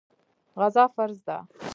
غزا فرض ده.